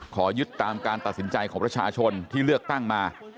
ขอยึดตามการตัดสินใจของประชาชนที่เลือกตั้งมา